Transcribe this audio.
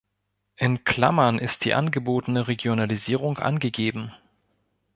In Klammern ist die angebotene Regionalisierung angegeben.